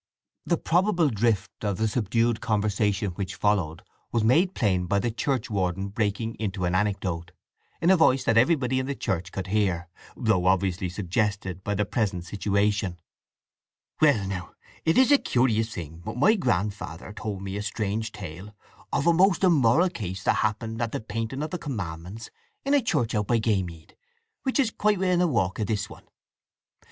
The probable drift of the subdued conversation which followed was made plain by the churchwarden breaking into an anecdote, in a voice that everybody in the church could hear, though obviously suggested by the present situation: "Well, now, it is a curious thing, but my grandfather told me a strange tale of a most immoral case that happened at the painting of the Commandments in a church out by Gaymead—which is quite within a walk of this one.